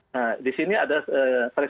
nah di sini ada threshold tertentu